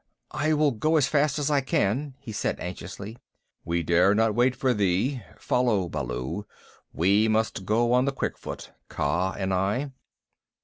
"I will go as fast as I can," he said anxiously. "We dare not wait for thee. Follow, Baloo. We must go on the quick foot Kaa and I."